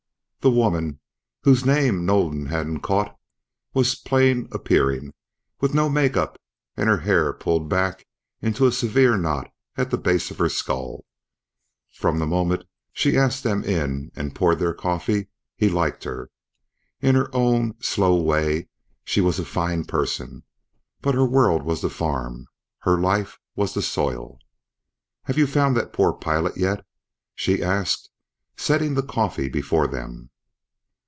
The woman, whose name Nolan hadn't caught, was plain appearing, with no makeup and her hair pulled back into a severe knot at the base of her skull. From the moment, she asked them in and poured their coffee, he liked her. In her own, slow way she was a fine person, but her world was the farm, her life was the soil. "Have you found that poor pilot, yet?" She asked, setting the coffee before them.